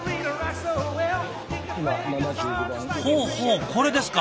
ほうほうこれですか。